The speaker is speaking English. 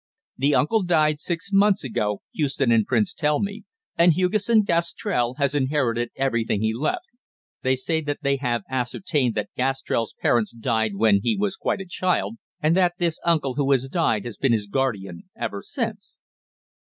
The uncle died six months ago, Houston and Prince tell me, and Hugesson Gastrell has inherited everything he left. They say that they have ascertained that Gastrell's parents died when he was quite a child, and that this uncle who has died has been his guardian ever since."